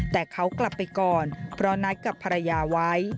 แต่เขากลับไปก่อนเพราะนัดกับภรรยาไว้